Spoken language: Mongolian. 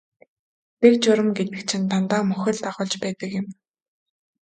Дэг журам гэдэг чинь дандаа мөхөл дагуулж байдаг юм.